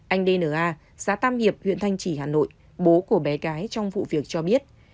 anh dna xã tam hiệp huyện thanh trì hà nội bố của bé gái trong vụ việc cho biết